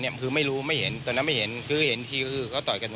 เนี่ยค่ะแล้วก็มีผู้ที่เห็นเหตุการณ์เขาก็เล่าให้ฟังเหมือนกันนะครับ